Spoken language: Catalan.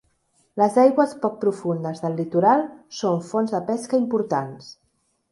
Les aigües poc profundes del litoral són fonts de pesca importants.